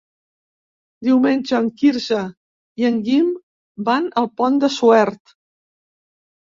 Diumenge en Quirze i en Guim van al Pont de Suert.